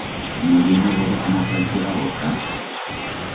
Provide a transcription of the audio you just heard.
No ye una voda como cualquiera otra?